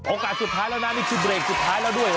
สุดท้ายแล้วนะนี่คือเบรกสุดท้ายแล้วด้วย